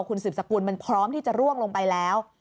คุณสืบสกุลมันพร้อมที่จะร่วงลงไปแล้ว